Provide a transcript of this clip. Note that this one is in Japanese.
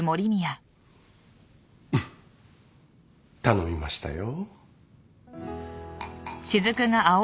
ウフッ頼みましたよ。